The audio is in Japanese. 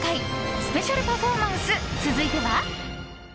スペシャルパフォーマンス続いては。